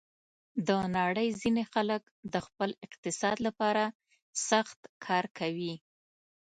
د نړۍ ځینې خلک د خپل اقتصاد لپاره سخت کار کوي.